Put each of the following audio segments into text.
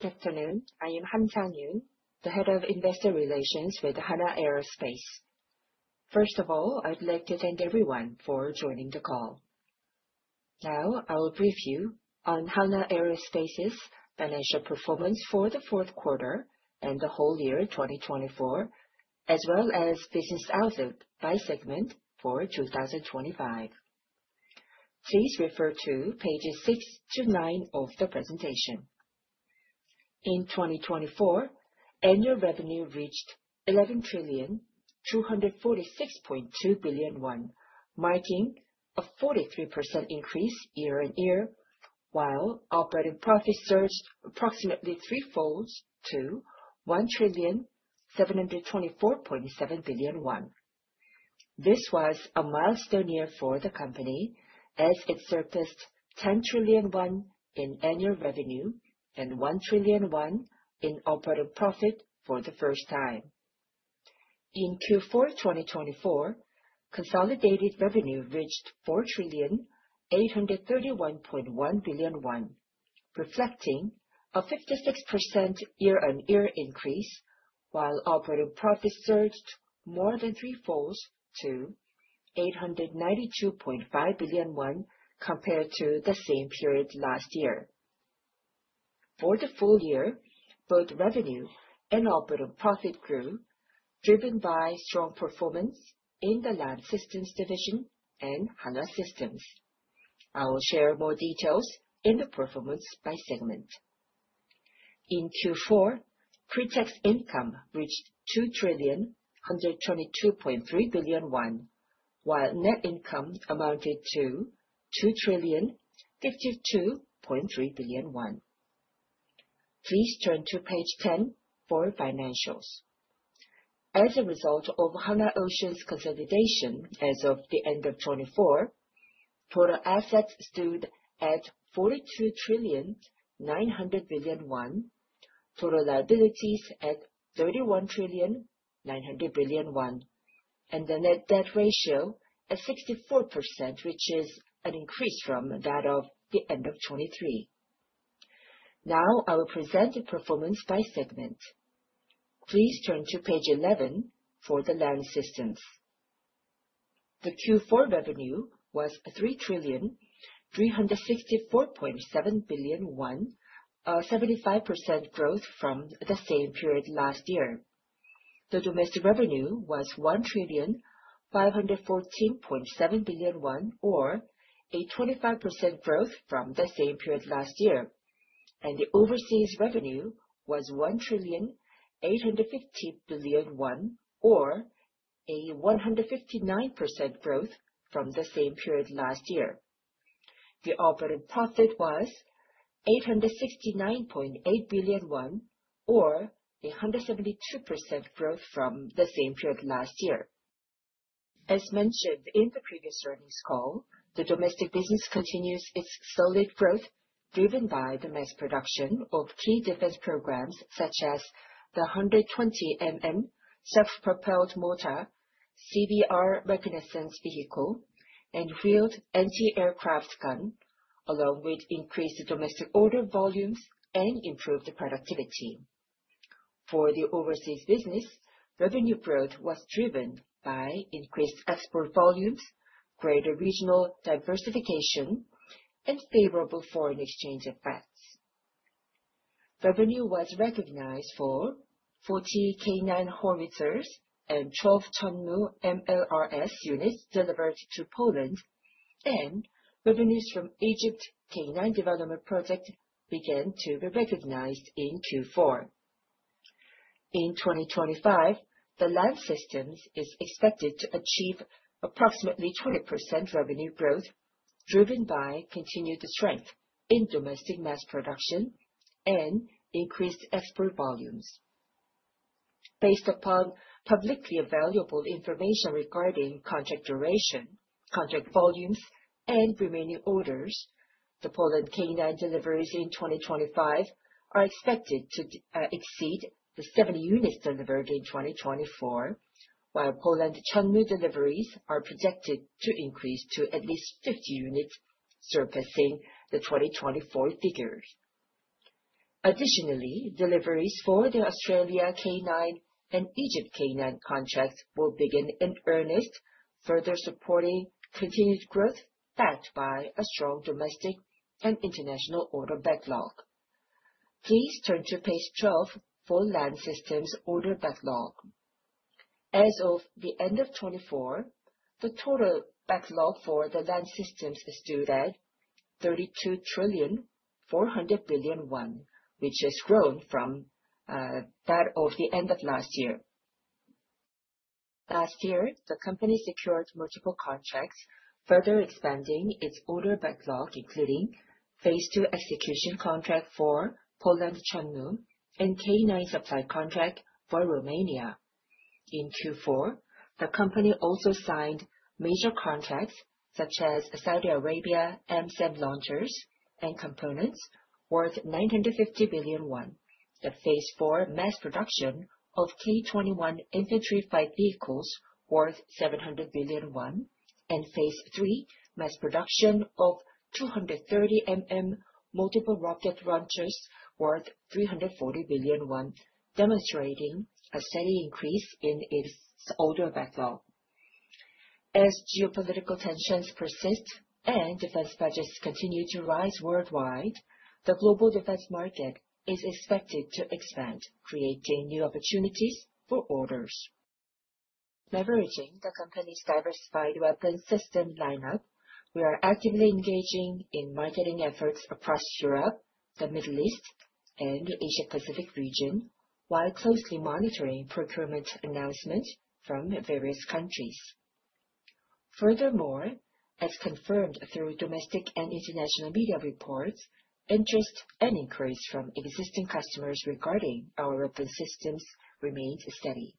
Good afternoon. I am Sang Yun Han, the head of investor relations with Hanwha Aerospace. First of all, I'd like to thank everyone for joining the call. Now, I will brief you on Hanwha Aerospace's financial performance for the fourth quarter and the whole year 2024, as well as business outlook by segment for 2025. Please refer to pages six to nine of the presentation. In 2024, annual revenue reached 11 trillion 246.2 billion, marking a 43% increase year-on-year, while operating profits surged approximately threefold to 1 trillion 724.7 billion. This was a milestone year for the company, as it surpassed 10 trillion won in annual revenue and 1 trillion won in operating profit for the first time. In Q4 2024, consolidated revenue reached 4 trillion 831.1 billion, reflecting a 56% year-on-year increase, while operating profits surged more than threefold to 892.5 billion won compared to the same period last year. For the full year, both revenue and operating profit grew, driven by strong performance in the Land Systems division and Hanwha Systems. I will share more details in the performance by segment. In Q4, pre-tax income reached 2 trillion 122.3 billion, while net income amounted to 2 trillion 52.3 billion. Please turn to page 10 for financials. As a result of Hanwha Ocean's consolidation as of the end of 2024, total assets stood at 42 trillion 900 billion, total liabilities at 31 trillion 900 billion, and the net debt ratio at 64%, which is an increase from that of the end of 2023. Now, I will present the performance by segment. Please turn to page 11 for the Land Systems. The Q4 revenue was 3 trillion 364.7 billion, a 75% growth from the same period last year. The domestic revenue was 1 trillion 514.7 billion, or a 25% growth from the same period last year, and the overseas revenue was 1 trillion 850 billion, or a 159% growth from the same period last year. The operating profit was 869.8 billion won, or a 172% growth from the same period last year. As mentioned in the previous earnings call, the domestic business continues its solid growth, driven by the mass production of key defense programs such as the 120 mm self-propelled mortar, CBR reconnaissance vehicle, and wheeled anti-aircraft gun, along with increased domestic order volumes and improved productivity. For the overseas business, revenue growth was driven by increased export volumes, greater regional diversification, and favorable foreign exchange effects. Revenue was recognized for 40 K9 howitzers and 12 Chunmoo MLRS units delivered to Poland, and revenues from Egypt's K9 development project began to be recognized in Q4. In 2025, the Land Systems is expected to achieve approximately 20% revenue growth, driven by continued strength in domestic mass production and increased export volumes. Based upon publicly available information regarding contract duration, contract volumes, and remaining orders, the Poland K9 deliveries in 2025 are expected to exceed the 70 units delivered in 2024, while Poland Chunmoo deliveries are projected to increase to at least 50 units, surpassing the 2024 figures. Additionally, deliveries for the Australia K9 and Egypt K9 contracts will begin in earnest, further supporting continued growth backed by a strong domestic and international order backlog. Please turn to page 12 for Land Systems order backlog. As of the end of 2024, the total backlog for the Land Systems stood at 32 trillion 400 billion, which has grown from that of the end of last year. Last year, the company secured multiple contracts, further expanding its order backlog, including phase two execution contract for Poland Chunmoo and K9 supply contract for Romania. In Q4, the company also signed major contracts such as Saudi Arabia M-SAM launchers and components worth 950 billion won, the phase four mass production of K21 infantry fighting vehicles worth 700 billion won, and phase three mass production of 230 multiple rocket launchers worth 340 billion won, demonstrating a steady increase in its order backlog. As geopolitical tensions persist and defense budgets continue to rise worldwide, the global defense market is expected to expand, creating new opportunities for orders. Leveraging the company's diversified weapons system lineup, we are actively engaging in marketing efforts across Europe, the Middle East, and the Asia-Pacific region, while closely monitoring procurement announcements from various countries. Furthermore, as confirmed through domestic and international media reports, interest and inquiries from existing customers regarding our weapons systems remained steady.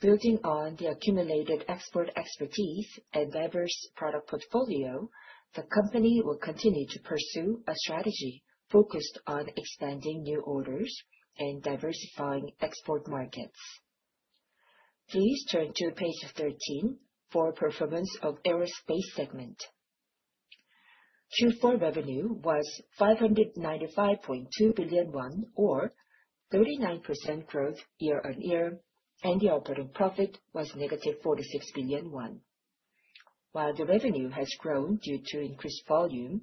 Building on the accumulated export expertise and diverse product portfolio, the company will continue to pursue a strategy focused on expanding new orders and diversifying export markets. Please turn to page 13 for performance of aerospace segment. Q4 revenue was 595.2 billion won, or 39% growth year-on-year, and the operating profit was negative 46 billion won. While the revenue has grown due to increased volume,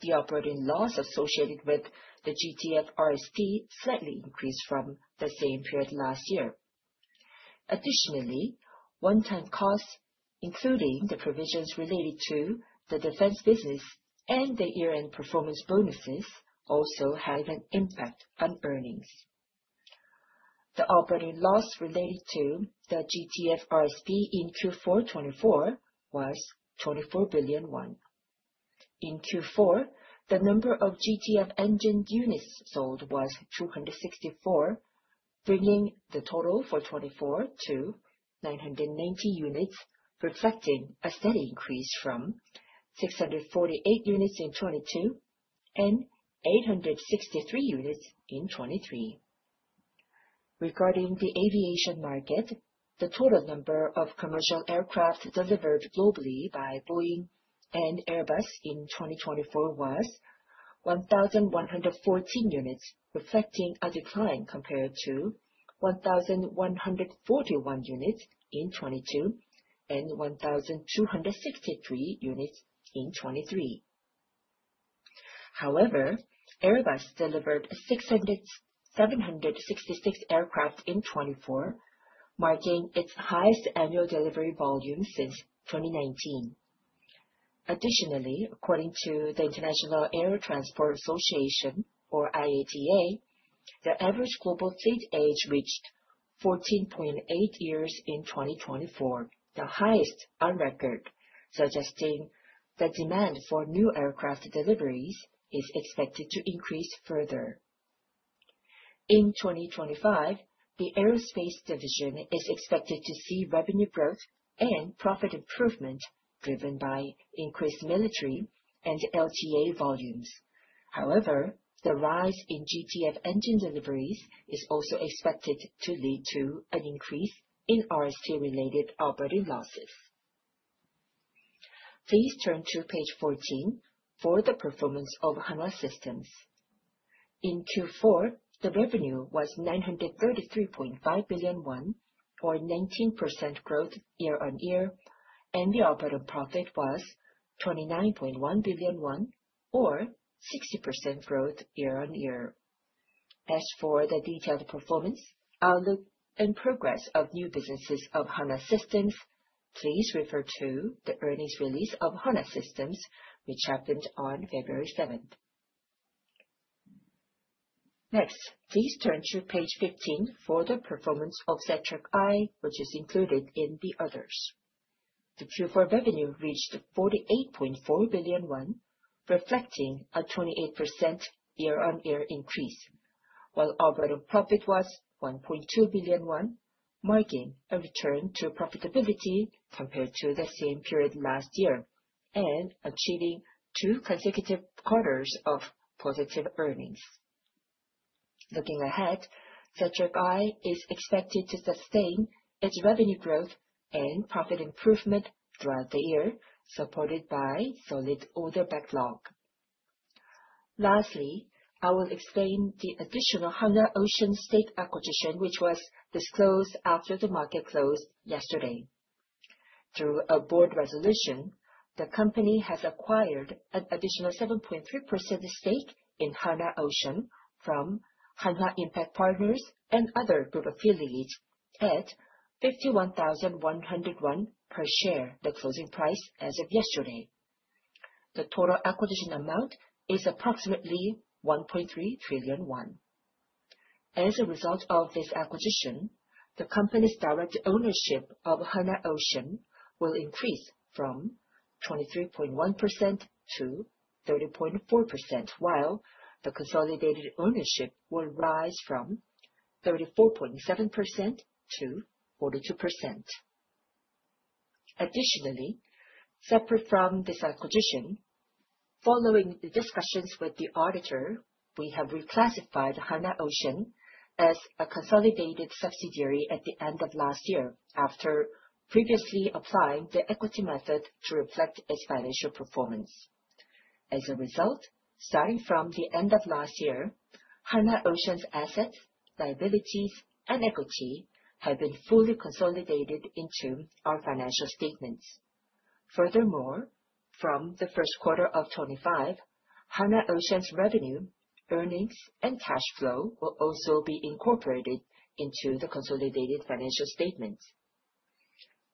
the operating loss associated with the GTF RSP slightly increased from the same period last year. Additionally, one-time costs, including the provisions related to the defense business and the year-end performance bonuses, also had an impact on earnings. The operating loss related to the GTF RSP in Q4 2024 was 24 billion. In Q4, the number of GTF engine units sold was 264, bringing the total for 2024 to 990 units, reflecting a steady increase from 648 units in 2022 and 863 units in 2023. Regarding the aviation market, the total number of commercial aircraft delivered globally by Boeing and Airbus in 2024 was 1,114 units, reflecting a decline compared to 1,141 units in 2022 and 1,263 units in 2023. However, Airbus delivered 766 aircraft in 2024, marking its highest annual delivery volume since 2019. Additionally, according to the International Air Transport Association, or IATA, the average global fleet age reached 14.8 years in 2024, the highest on record, suggesting that demand for new aircraft deliveries is expected to increase further. In 2025, the aerospace division is expected to see revenue growth and profit improvement driven by increased military and LTA volumes. However, the rise in GTF engine deliveries is also expected to lead to an increase in RSP-related operating losses. Please turn to page 14 for the performance of Hanwha Systems. In Q4, the revenue was 933.5 billion won, or 19% growth year-on-year, and the operating profit was 29.1 billion won, or 60% growth year-on-year. As for the detailed performance, outlook, and progress of new businesses of Hanwha Systems, please refer to the earnings release of Hanwha Systems, which happened on February 7th. Next, please turn to page 15 for the performance of Satrec I, which is included in the others. The Q4 revenue reached 48.4 billion won, reflecting a 28% year-on-year increase, while operating profit was 1.2 billion won, marking a return to profitability compared to the same period last year and achieving two consecutive quarters of positive earnings. Looking ahead, Satrec I is expected to sustain its revenue growth and profit improvement throughout the year, supported by solid order backlog. Lastly, I will explain the additional Hanwha Ocean stake acquisition, which was disclosed after the market closed yesterday. Through a board resolution, the company has acquired an additional 7.3% stake in Hanwha Ocean from Hanwha Impact Partners and other group affiliates at 51,100 per share, the closing price as of yesterday. The total acquisition amount is approximately 1.3 trillion won. As a result of this acquisition, the company's direct ownership of Hanwha Ocean will increase from 23.1% to 30.4%, while the consolidated ownership will rise from 34.7% to 42%. Additionally, separate from this acquisition, following the discussions with the auditor, we have reclassified Hanwha Ocean as a consolidated subsidiary at the end of last year after previously applying the equity method to reflect its financial performance. As a result, starting from the end of last year, Hanwha Ocean's assets, liabilities, and equity have been fully consolidated into our financial statements. Furthermore, from the first quarter of 2025, Hanwha Ocean's revenue, earnings, and cash flow will also be incorporated into the consolidated financial statements.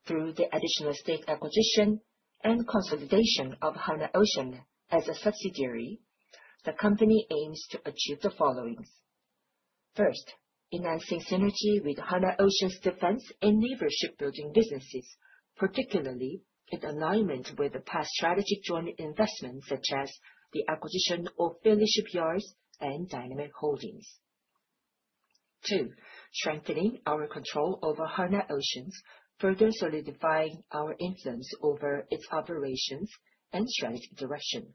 Through the additional stake acquisition and consolidation of Hanwha Ocean as a subsidiary, the company aims to achieve the following: first, enhancing synergy with Hanwha Ocean's defense and naval shipbuilding businesses, particularly in alignment with past strategic joint investments such as the acquisition of Philly Shipyard and Dyna-Mac Holdings. Two, strengthening our control over Hanwha Ocean, further solidifying our influence over its operations and strategic direction.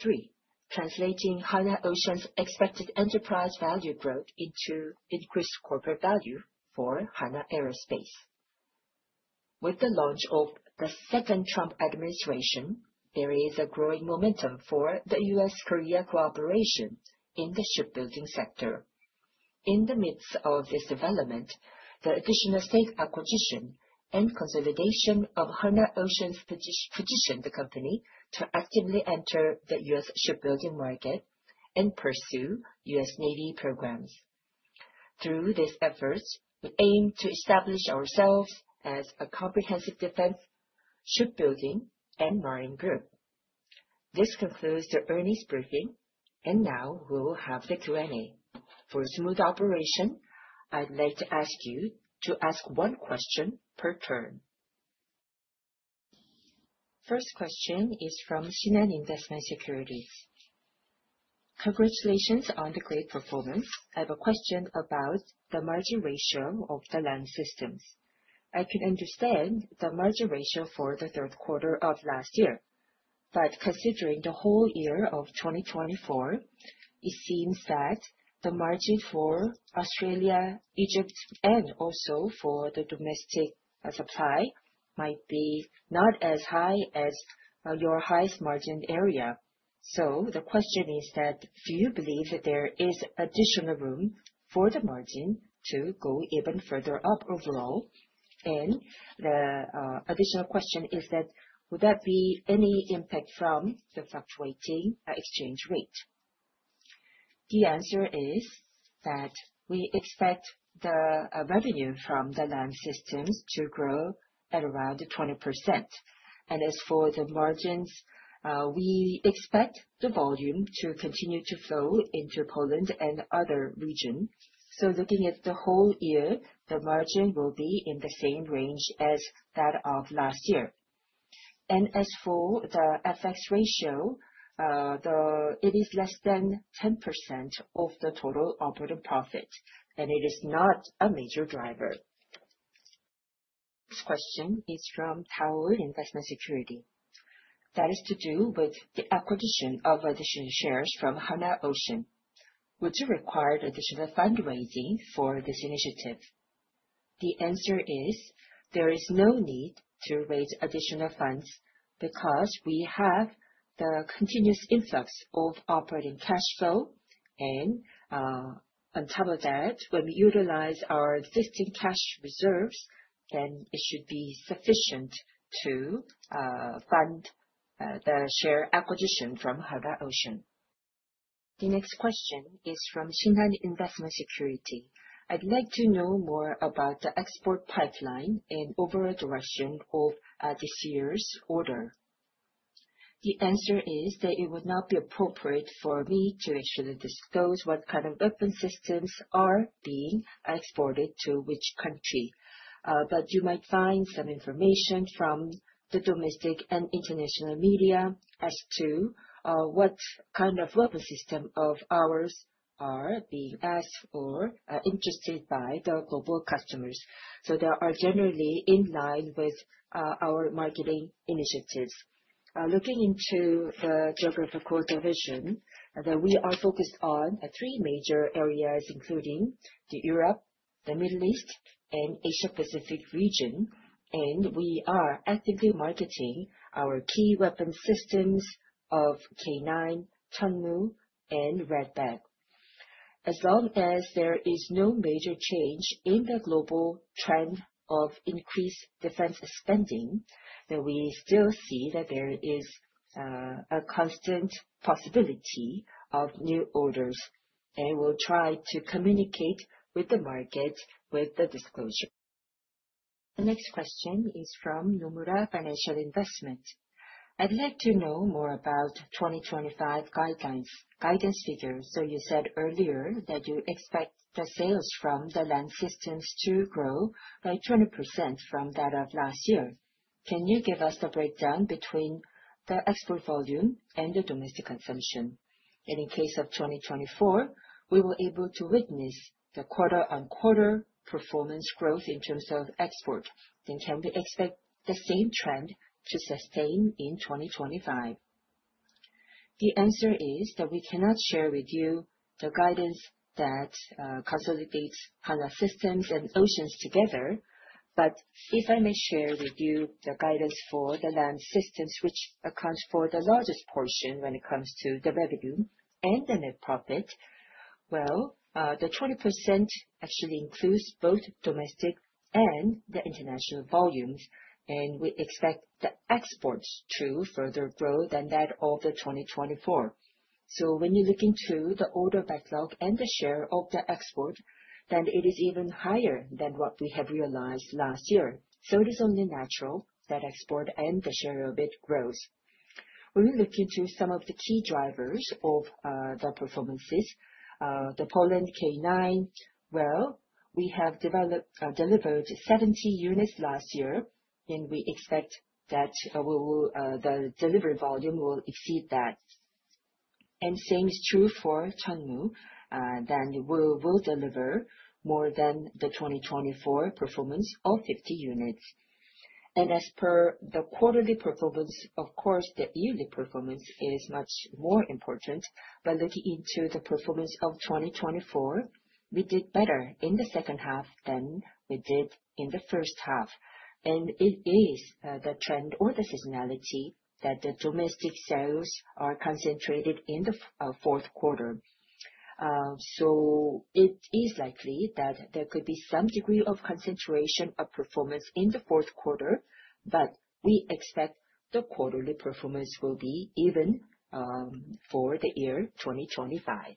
Three, translating Hanwha Ocean's expected enterprise value growth into increased corporate value for Hanwha Aerospace. With the launch of the second Trump administration, there is a growing momentum for the U.S.-Korea cooperation in the shipbuilding sector. In the midst of this development, the additional stake acquisition and consolidation of Hanwha Ocean positions the company to actively enter the U.S. shipbuilding market and pursue U.S. Navy programs. Through these efforts, we aim to establish ourselves as a comprehensive defense, shipbuilding, and marine group. This concludes the earnings briefing, and now we will have the Q&A. For smooth operation, I'd like to ask you to ask one question per turn. First question is from Shinhan Investment Securities. Congratulations on the great performance. I have a question about the margin ratio of the Land Systems. I can understand the margin ratio for the third quarter of last year, but considering the whole year of 2024, it seems that the margin for Australia, Egypt, and also for the domestic supply might be not as high as your highest margin area. So the question is that, do you believe that there is additional room for the margin to go even further up overall? And the additional question is that, would that be any impact from the fluctuating exchange rate? The answer is that we expect the revenue from the Land Systems to grow at around 20%. As for the margins, we expect the volume to continue to flow into Poland and other regions. Looking at the whole year, the margin will be in the same range as that of last year. As for the FX ratio, it is less than 10% of the total operating profit, and it is not a major driver. Next question is from Daol Investment & Securities. That is to do with the acquisition of additional shares from Hanwha Ocean. Would you require additional fundraising for this initiative? The answer is there is no need to raise additional funds because we have the continuous influx of operating cash flow, and on top of that, when we utilize our existing cash reserves, then it should be sufficient to fund the share acquisition from Hanwha Ocean. The next question is from Shinhan Investment Securities. I'd like to know more about the export pipeline and overall direction of this year's order. The answer is that it would not be appropriate for me to actually disclose what kind of weapon systems are being exported to which country, but you might find some information from the domestic and international media as to what kind of weapon systems of ours are being asked or interested by the global customers. So they are generally in line with our marketing initiatives. Looking into the geographical division, we are focused on three major areas, including Europe, the Middle East, and Asia-Pacific region, and we are actively marketing our key weapon systems of K9, Chunmoo, and Redback. As long as there is no major change in the global trend of increased defense spending, we still see that there is a constant possibility of new orders, and we'll try to communicate with the market with the disclosure. The next question is from Nomura Financial Investment. I'd like to know more about 2025 guidance figures. So you said earlier that you expect the sales from the Land Systems to grow by 20% from that of last year. Can you give us the breakdown between the export volume and the domestic consumption? And in case of 2024, we were able to witness the quarter-on-quarter performance growth in terms of export. Then can we expect the same trend to sustain in 2025? The answer is that we cannot share with you the guidance that consolidates Hanwha Systems and Ocean together, but if I may share with you the guidance for the Land Systems, which accounts for the largest portion when it comes to the revenue and the net profit. Well, the 20% actually includes both domestic and the international volumes, and we expect the exports to further grow than that of 2024. So when you look into the order backlog and the share of the export, then it is even higher than what we have realized last year. So it is only natural that export and the share of it grows. When we look into some of the key drivers of the performances, the Poland K9. Well, we have delivered 70 units last year, and we expect that the delivery volume will exceed that. And same is true for Chunmoo. Then we will deliver more than the 2024 performance of 50 units. And as per the quarterly performance, of course, the yearly performance is much more important, but looking into the performance of 2024, we did better in the second half than we did in the first half. And it is the trend or the seasonality that the domestic sales are concentrated in the fourth quarter. So it is likely that there could be some degree of concentration of performance in the fourth quarter, but we expect the quarterly performance will be even for the year 2025.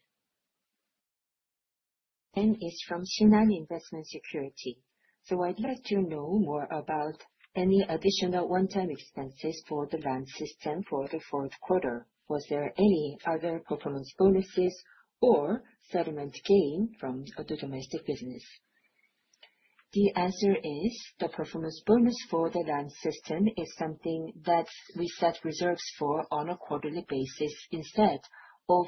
Next it's from Shinhan Investment Securities. So I'd like to know more about any additional one-time expenses for the Land Systems for the fourth quarter. Was there any other performance bonuses or settlement gain from the domestic business? The answer is the performance bonus for the Land Systems is something that we set reserves for on a quarterly basis instead of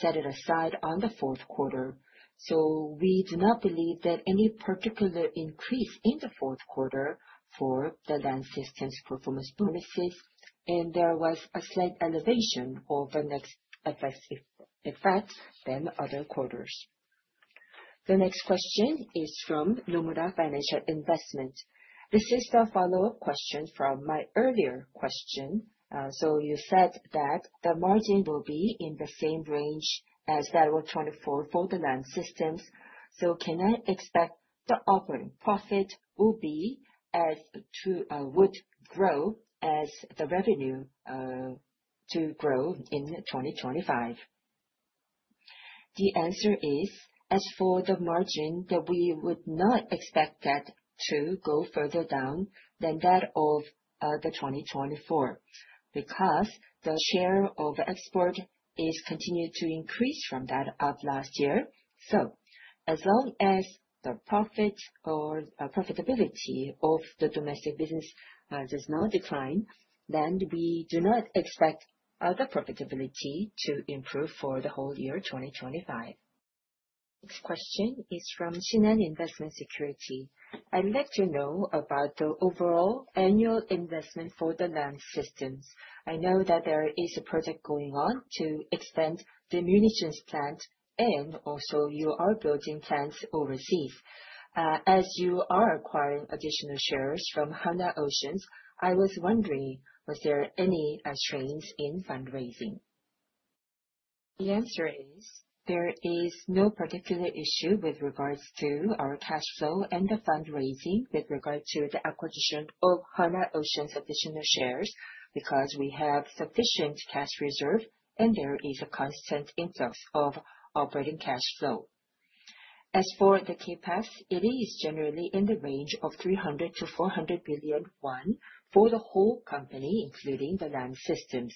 setting it aside on the fourth quarter. So we do not believe that any particular increase in the fourth quarter for the Land Systems' performance bonuses, and there was a slight elevation of the net effects than other quarters. The next question is from Nomura Financial Investment. This is the follow-up question from my earlier question. So you said that the margin will be in the same range as that of 2024 for the Land Systems. So can I expect the operating profit will also grow as the revenue grows in 2025? The answer is, as for the margin, that we would not expect that to go further down than that of 2024 because the share of export is continued to increase from that of last year, so as long as the profit or profitability of the domestic business does not decline, then we do not expect the profitability to improve for the whole year 2025. Next question is from Shinhan Investment Securities. I'd like to know about the overall annual investment for the Land Systems. I know that there is a project going on to extend the munitions plant and also you are building plants overseas. As you are acquiring additional shares from Hanwha Ocean, I was wondering, was there any strains in fundraising? The answer is there is no particular issue with regards to our cash flow and the fundraising with regards to the acquisition of Hanwha Ocean's additional shares because we have sufficient cash reserve and there is a constant influx of operating cash flow. As for the CapEx, it is generally in the range of 300-400 billion won for the whole company, including the Land Systems.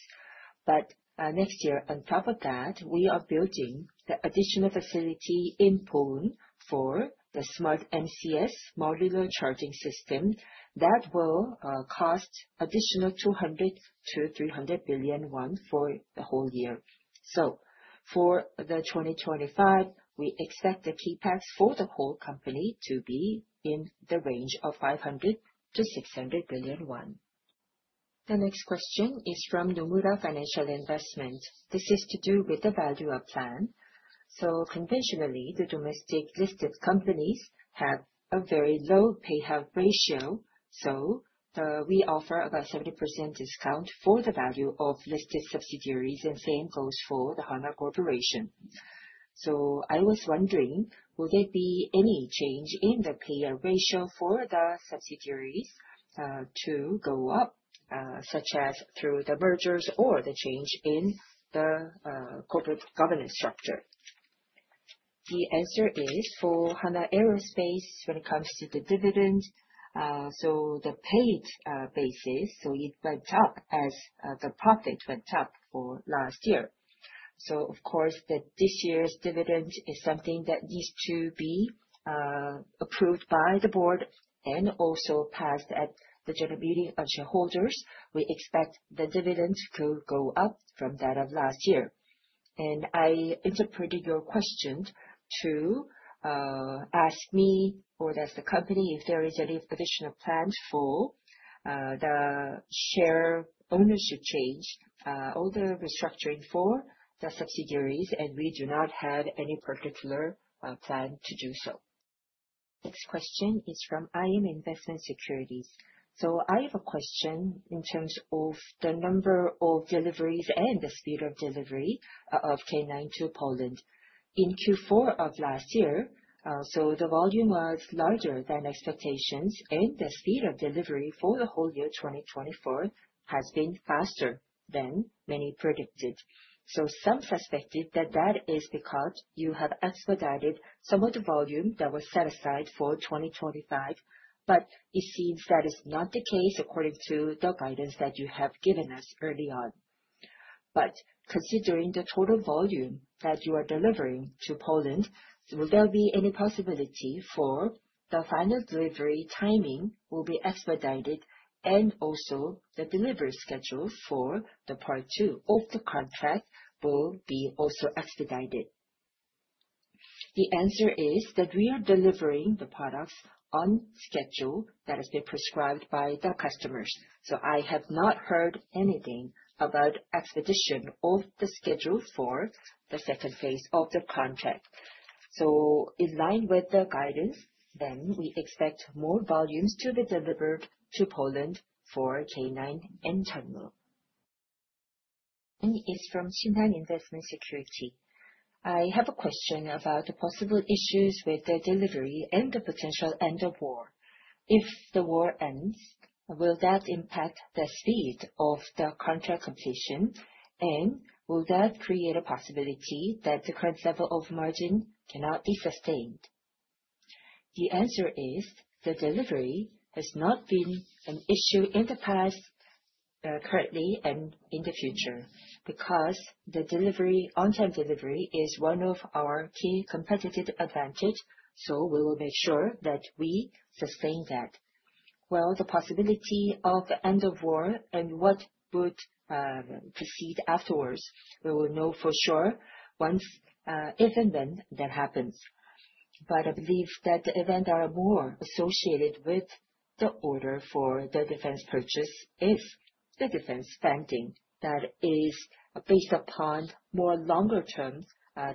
But next year, on top of that, we are building the additional facility in Poland for the Smart MCS modular charge system that will cost an additional 200-300 billion won for the whole year. So for the 2025, we expect the CapEx for the whole company to be in the range of 500-600 billion won. The next question is from Nomura Financial Investment. This is to do with the Value-up plan. Conventionally, the domestic listed companies have a very low payout ratio. We offer about 70% discount for the value of listed subsidiaries, and same goes for the Hanwha Corporation. I was wondering, would there be any change in the payout ratio for the subsidiaries to go up, such as through the mergers or the change in the corporate governance structure? The answer is for Hanwha Aerospace when it comes to the dividend. The paid basis, it went up as the profit went up for last year. Of course, this year's dividend is something that needs to be approved by the board and also passed at the general meeting of shareholders. We expect the dividend to go up from that of last year. I interpreted your question to ask me or that's the company if there is any additional plan for the share ownership change or the restructuring for the subsidiaries, and we do not have any particular plan to do so. Next question is from iM Securities. I have a question in terms of the number of deliveries and the speed of delivery of K9 to Poland. In Q4 of last year, the volume was larger than expectations, and the speed of delivery for the whole year 2024 has been faster than many predicted. Some suspected that that is because you have expedited some of the volume that was set aside for 2025, but it seems that is not the case according to the guidance that you have given us early on. But considering the total volume that you are delivering to Poland, will there be any possibility for the final delivery timing will be expedited and also the delivery schedule for the part two of the contract will be also expedited? The answer is that we are delivering the products on schedule that has been prescribed by the customers. So I have not heard anything about expedition of the schedule for the second phase of the contract. So in line with the guidance, then we expect more volumes to be delivered to Poland for K9 and Chunmoo. Then it is from Shinhan Investement Securities. I have a question about the possible issues with the delivery and the potential end of war. If the war ends, will that impact the speed of the contract completion, and will that create a possibility that the current level of margin cannot be sustained? The answer is the delivery has not been an issue in the past, currently, and in the future because the delivery, on-time delivery is one of our key competitive advantages, so we will make sure that we sustain that. The possibility of the end of war and what would proceed afterwards, we will know for sure once if and when that happens. I believe that the events that are more associated with the order for the defense purchase are the defense spending that is based upon more longer-term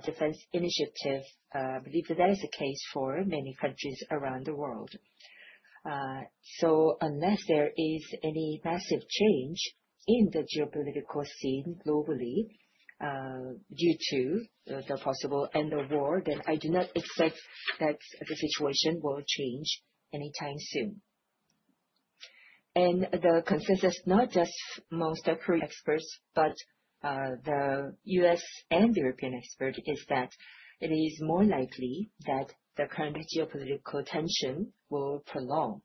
defense initiative. I believe that that is the case for many countries around the world. Unless there is any massive change in the geopolitical scene globally due to the possible end of war, then I do not expect that the situation will change anytime soon. And the consensus not just among the current experts, but the US and the European expert is that it is more likely that the current geopolitical tension will prolong.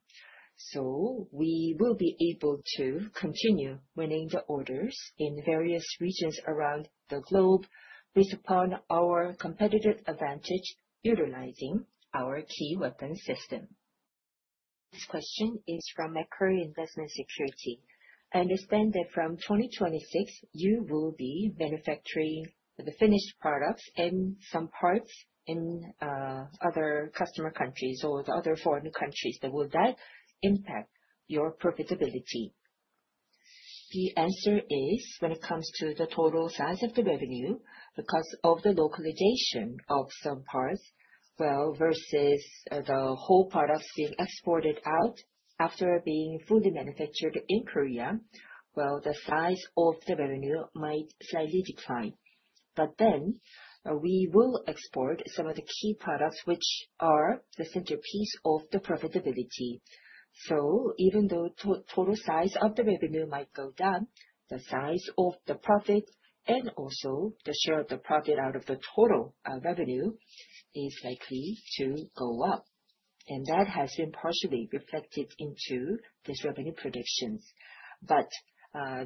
So we will be able to continue winning the orders in various regions around the globe based upon our competitive advantage utilizing our key weapon system. This question is from Korea Investment & Security. I understand that from 2026, you will be manufacturing the finished products and some parts in other customer countries or the other foreign countries. Will that impact your profitability? The answer is when it comes to the total size of the revenue, because of the localization of some parts, well, versus the whole products being exported out after being fully manufactured in Korea, well, the size of the revenue might slightly decline. But then we will export some of the key products, which are the centerpiece of the profitability. So even though total size of the revenue might go down, the size of the profit and also the share of the profit out of the total revenue is likely to go up. And that has been partially reflected into these revenue predictions. But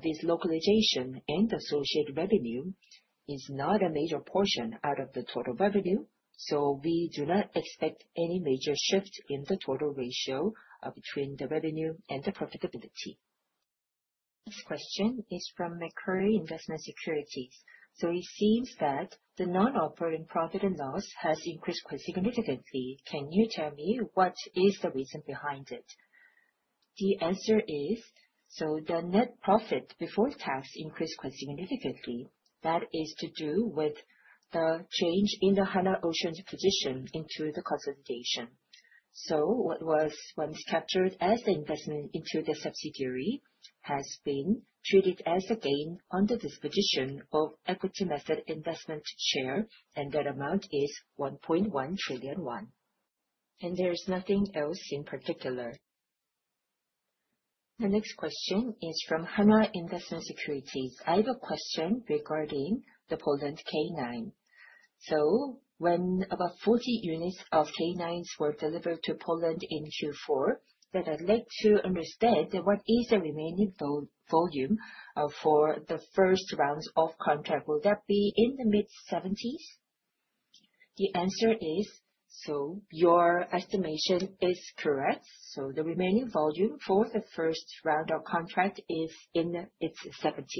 this localization and associated revenue is not a major portion out of the total revenue. So we do not expect any major shift in the total ratio between the revenue and the profitability. Next question is from Korea Investment & Securities. So it seems that the non-operating profit and loss has increased quite significantly. Can you tell me what is the reason behind it? The answer is so the net profit before tax increased quite significantly. That is to do with the change in the Hanwha Ocean's position into the consolidation. So what was once captured as the investment into the subsidiary has been treated as a gain under disposition of equity-method investment share, and that amount is 1.1 trillion won. And there is nothing else in particular. The next question is from Hanwha Investment Securities. I have a question regarding the Poland K9. So when about 40 units of K9s were delivered to Poland in Q4, then I'd like to understand what is the remaining volume for the first round of contract. Will that be in the mid-70s? The answer is, so your estimation is correct. So the remaining volume for the first round of contract is in its 70s.